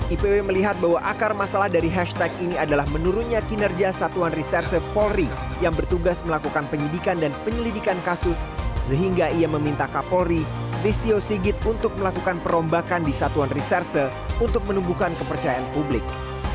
ipw melihat bahwa akar masalah dari hashtag ini adalah menurunnya kinerja satuan reserse polri yang bertugas melakukan penyidikan dan penyelidikan kasus sehingga ia meminta kapolri listio sigit untuk melakukan perombakan di satuan reserse untuk menumbuhkan kepercayaan publik